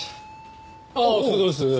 ああお疲れさまです。